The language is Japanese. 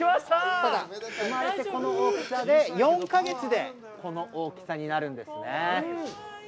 生まれてこの大きさで４か月でこの大きさになるんですね。